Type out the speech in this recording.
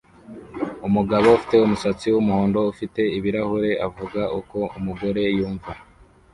Umugabo ufite umusatsi wumuhondo ufite ibirahure avuga uko umugore yumva